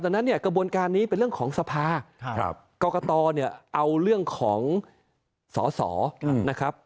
ดังนั้นเนี่ยกระบวนการนี้เป็นเรื่องของสภากรกตเนี่ยเอาเรื่องของสอสอนะครับ